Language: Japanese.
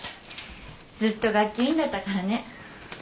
ずっと学級委員だったからね。